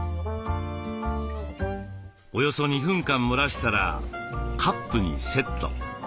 およそ２分間蒸らしたらカップにセット。